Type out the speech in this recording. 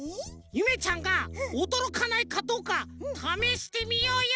ゆめちゃんがおどろかないかどうかためしてみようよ！